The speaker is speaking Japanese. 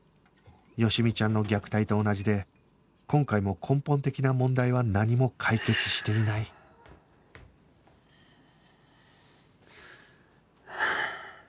好美ちゃんの虐待と同じで今回も根本的な問題は何も解決していないはあ。